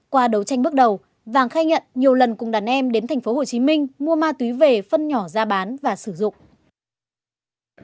qua đấu tranh bước đầu vàng khai nhận nhiều lần cùng đàn em đến tp hcm mua ma túy về phân nhỏ ra bán và sử dụng